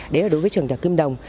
đấy là đối với trường tàu kim đồng